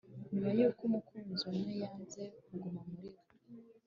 nyuma yuko umukunzi umwe yanze kuguma muri we